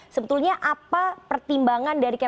sebetulnya apa pertimbangan dari kementerian ketenaga kerjaan